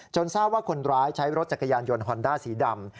ทราบว่าคนร้ายใช้รถจักรยานยนต์ฮอนด้าสีดำ